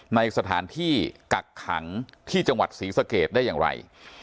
ในสถานที่กักขังที่จังหวัดศรีสะเกดได้อย่างไร